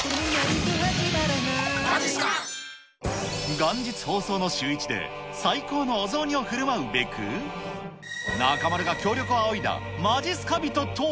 元日放送のシューイチで、最高のお雑煮をふるまうべく、中丸が協力をあおいだまじっすか人とは。